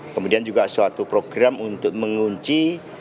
kemudian juga suatu program untuk mengunci